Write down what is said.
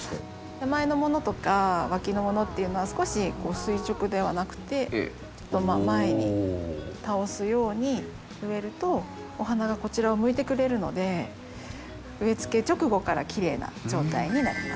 手前のものとか脇のものっていうのは少し垂直ではなくて前に倒すように植えるとお花がこちらを向いてくれるので植えつけ直後からきれいな状態になります。